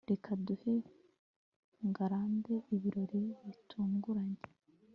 reka duhe ngarambe ibirori bitunguranye